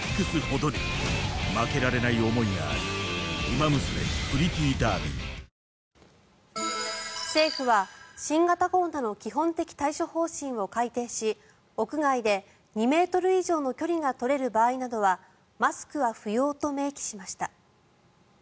お電話で政府は新型コロナの基本的対処方針を改定し屋外で２ｍ以上の距離が取れる場合などはマスクは不要と明記しました。